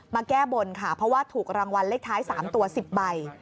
แก้บนค่ะเพราะว่าถูกรางวัลเลขท้าย๓ตัว๑๐ใบ